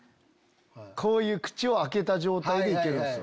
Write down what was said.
こういう口を開けた状態で行けるんすよ。